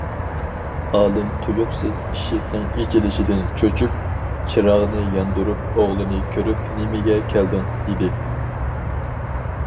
ئالىم تۇيۇقسىز ئىشىكنىڭ ئېچىلىشىدىن چۆچۈپ، چىراغنى ياندۇرۇپ ئوغلىنى كۆرۈپ،‹‹ نېمىگە كەلدىڭ!›› دېدى.